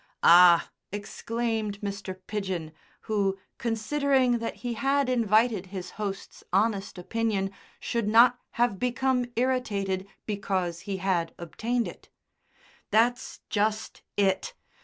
"Ah!" exclaimed Mr. Pidgen, who, considering that he had invited his host's honest opinion, should not have become irritated because he had obtained it; "that's just it.